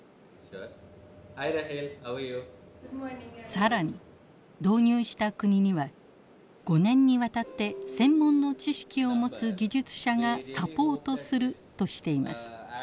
更に導入した国には５年にわたって専門の知識を持つ技術者がサポートするとしています。